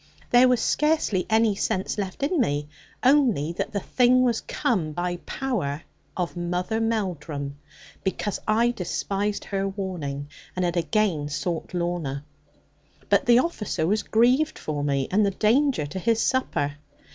There was scarcely any sense left in me, only that the thing was come by power of Mother Melldrum, because I despised her warning, and had again sought Lorna. But the officer was grieved for me, and the danger to his supper.